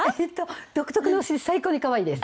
独特で最高にかわいいです。